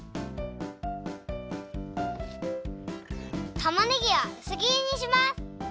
たまねぎはうすぎりにします。